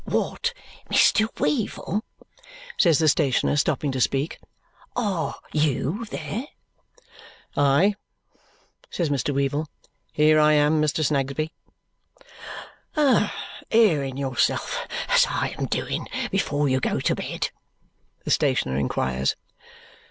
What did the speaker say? "What, Mr. Weevle?" says the stationer, stopping to speak. "Are YOU there?" "Aye!" says Weevle, "Here I am, Mr. Snagsby." "Airing yourself, as I am doing, before you go to bed?" the stationer inquires.